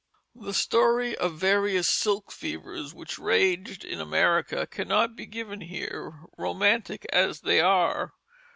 The story of various silk fevers which raged in America cannot be given here, romantic as they are.